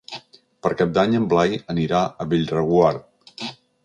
Per Cap d'Any en Blai anirà a Bellreguard.